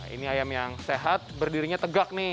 ini ayam yang sehat berdirinya tegak nih